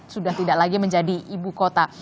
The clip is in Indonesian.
sudah tidak lagi menjadi ibu kota